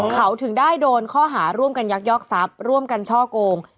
เขาถึงได้โดนข้อหาร่วมกันยักยอกทรัพย์ร่วมกันช่อโกง